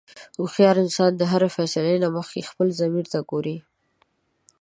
هوښیار انسان د هرې فیصلې نه مخکې خپل ضمیر ته ګوري.